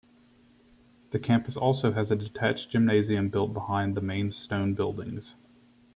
The campus also has a detached gymnasium built behind the main stone buildings.